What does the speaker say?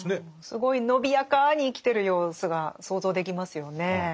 すごい伸びやかに生きてる様子が想像できますよね。